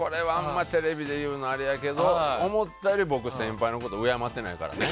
テレビで言うのはあれやけど、思ったより僕先輩のこと敬ってないからね。